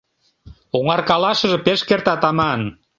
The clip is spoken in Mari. Оҥаркалашыже пеш кертат аман...